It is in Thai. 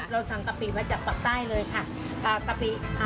เราสั่งกะปิมาจากปักตายเลยค่ะ